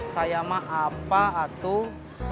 saya mah apa atuh